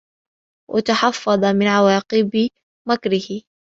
وَتَحَفَّظَ مِنْ عَوَاقِبِ مَكْرِهِ